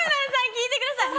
聞いてください！